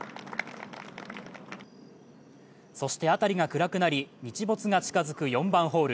そして、辺りが暗くなり、日没が近づく４番ホール。